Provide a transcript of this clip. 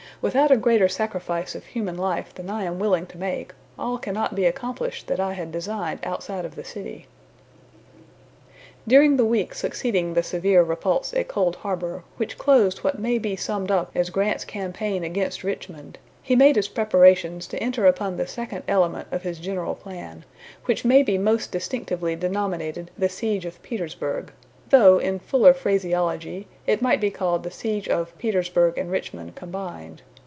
Without a greater sacrifice of human life than I am willing to make, all cannot be accomplished that I had designed outside of the city." During the week succeeding the severe repulse at Cold Harbor, which closed what may be summed up as Grant's campaign against Richmond, he made his preparations to enter upon the second element of his general plan, which may be most distinctively denominated the siege of Petersburg, though, in fuller phraseology, it might be called the siege of Petersburg and Richmond combined.